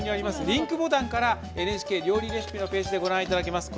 リンクボタンから「ＮＨＫ料理レシピ」のページでご覧いただけます。